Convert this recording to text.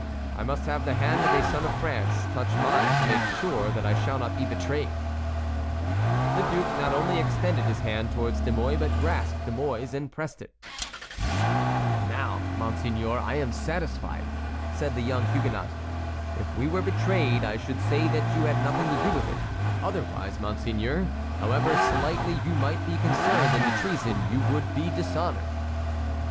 I must have the hand of a son of France touch mine to make sure that I shall not be betrayed." The duke not only extended his hand towards De Mouy, but grasped De Mouy's and pressed it. "Now, monseigneur, I am satisfied," said the young Huguenot. "If we were betrayed I should say that you had nothing to do with it; otherwise, monseigneur, however slightly you might be concerned in the treason, you would be dishonored."